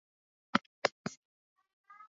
Mpango yangu ni ya zamani